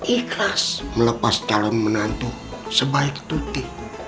ikhlas melepas calon menantu sebaik tuti